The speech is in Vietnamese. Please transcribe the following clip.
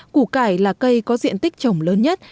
củ cải là cây có diện tích trồng lớn nhất